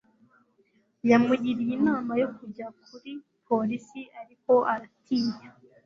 yamugiriye inama yo kujya kuri polisi, ariko aratinya